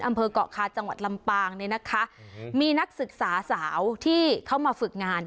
อำเภอกเกาะคาจังหวัดลำปางเนี่ยนะคะมีนักศึกษาสาวที่เข้ามาฝึกงาน